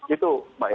itu mbak epa